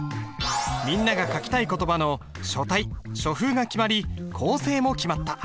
みんなが書きたい言葉の書体書風が決まり構成も決まった。